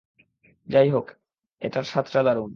যাই হোক, এটার স্বাদটা দারুণ।